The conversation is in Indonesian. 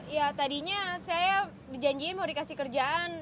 ya tadinya saya berjanji mau dikasih kerjaan